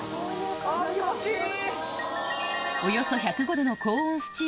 あ気持ちいい。